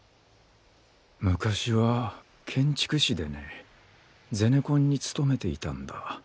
昔は建築士でねゼネコンに勤めていたんだ。